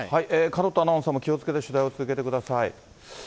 門田アナウンサーも気をつけて取材を続けてください。